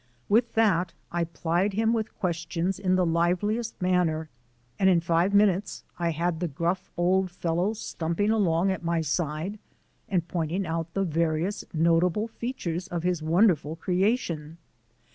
With that I plied him with questions in the liveliest manner, and in five minutes I had the gruff old fellow stumping along at my side and pointing out the various notable features of his wonderful creation.